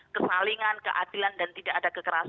kesalingan keadilan dan tidak ada kekerasan